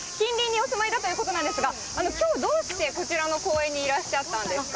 近隣にお住まいだということなんですが、きょうはどうして、こちらの公園にいらっしゃったんですか。